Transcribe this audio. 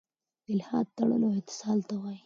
الحاد تړلو او اتصال ته وايي.